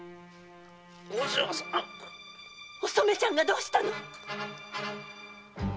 お染ちゃんがどうしたの！？